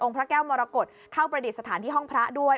องค์พระแก้วมรกฏเข้าประเด็นสถานที่ห้องพระด้วย